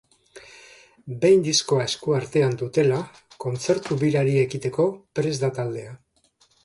Behin diskoa esku artean dutela, kontzertu-birari ekiteko prest da taldea.